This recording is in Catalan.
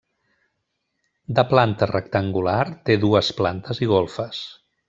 De planta rectangular, té dues plantes i golfes.